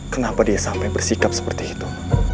kenapa dia sampai bersikap seperti itu